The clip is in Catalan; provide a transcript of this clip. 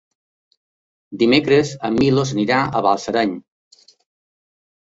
Dimecres en Milos anirà a Balsareny.